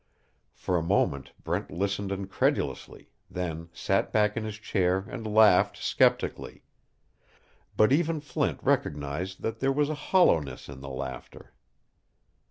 For a moment Brent listened incredulously, then sat back in his chair and laughed skeptically. But even Flint recognized that there was a hollowness in the laughter.